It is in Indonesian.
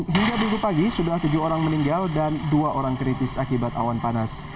hingga minggu pagi sudah tujuh orang meninggal dan dua orang kritis akibat awan panas